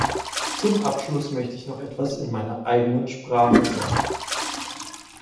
Zum Abschluss möchte ich noch etwas in meiner eigenen Sprache sagen.